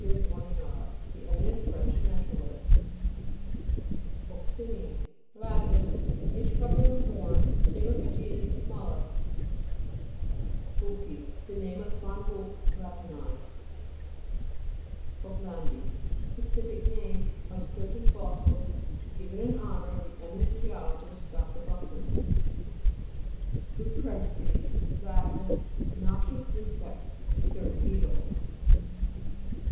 Brongniart, the eminent French naturalist, (p. 60.) BUC'CINUM Lat. A trumpet or horn. Name of a genus of mol lusks. (p. 90.) BU'CHII The name of Von Buch latinized. BUCKLA'JTDII Specific name of cer tain fossils, given in honour of the eminent geologist Dr. Buck land. BUPRE'STES Lat. Noxious insects. Certain beetles.